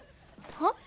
はっ？